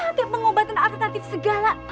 pakat yang mengobatkan akutatif segala